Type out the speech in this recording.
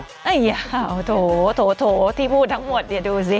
เอ้ยยาวโถโถโถที่พูดทั้งหมดดูสิ